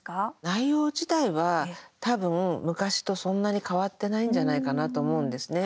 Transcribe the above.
内容自体は、多分、昔とそんなに変わってないんじゃないかなと思うんですね。